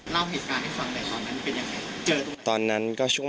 เล่าเหตุการณ์ที่ฟังได้ตอนนั้นเป็นยังไง